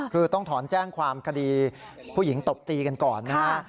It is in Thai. คือต้องถอนแจ้งความคดีผู้หญิงตบตีกันก่อนนะฮะ